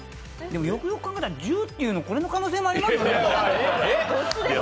でもよくよく考えてみたら、ジューっていうのこれの可能性もありますよね。